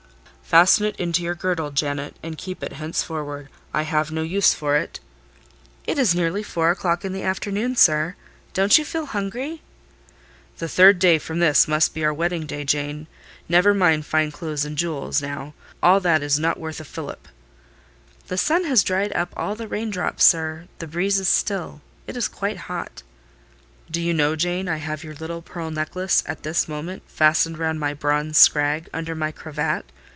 "Fasten it into your girdle, Janet, and keep it henceforward: I have no use for it." "It is nearly four o'clock in the afternoon, sir. Don't you feel hungry?" "The third day from this must be our wedding day, Jane. Never mind fine clothes and jewels, now: all that is not worth a fillip." "The sun has dried up all the rain drops, sir. The breeze is still: it is quite hot." "Do you know, Jane, I have your little pearl necklace at this moment fastened round my bronze scrag under my cravat?